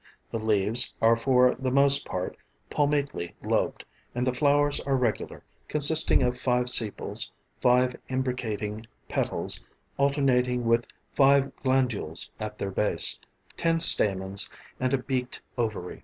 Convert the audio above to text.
The leaves are for the most part palmately lobed, and the flowers are regular, consisting of five sepals, five imbricating petals, alternating with five glandules at their base, ten stamens and a beaked ovary.